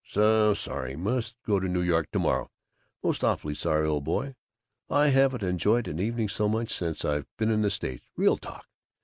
"So sorry must go to New York to morrow. Most awfully sorry, old boy. I haven't enjoyed an evening so much since I've been in the States. Real talk.